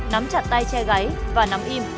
nắm chặt tay che gáy và nắm im